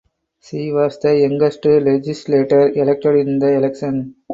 She was the youngest legislator elected in the election.